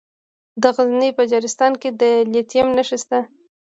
د غزني په اجرستان کې د لیتیم نښې شته.